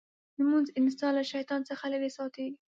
لمونځ انسان له شیطان څخه لرې ساتي.